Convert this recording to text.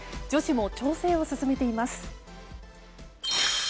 女子も調整を進めています。